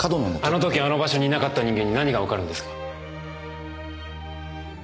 あの時あの場所にいなかった人間に何がわかるんですか？